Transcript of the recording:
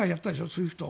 ＳＷＩＦＴ。